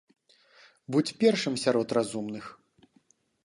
Будзь першым сярод разумных!